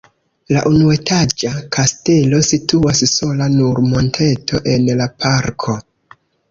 La unuetaĝa kastelo situas sola sur monteto en la parko.